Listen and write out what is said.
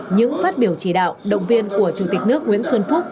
những phát biểu chỉ đạo động viên của chủ tịch nước nguyễn xuân phúc